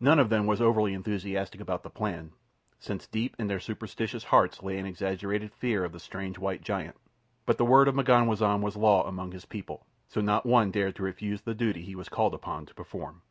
None of them was overly enthusiastic about the plan, since deep in their superstitious hearts lay an exaggerated fear of the strange white giant; but the word of M'ganwazam was law among his people, so not one dared refuse the duty he was called upon to perform.